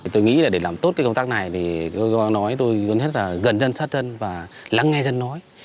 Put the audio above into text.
tôi nghĩ là để làm tốt công tác này tôi gần dân sát dân và lắng nghe dân nói